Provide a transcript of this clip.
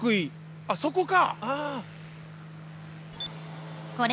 あそこか。